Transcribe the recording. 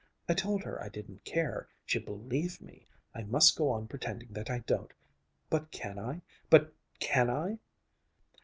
I told her I didn't care. She believed me. I must go on pretending that I don't. But can I! But can I!"